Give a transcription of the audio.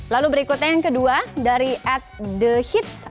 lalu berikutnya yang kedua dari atthesites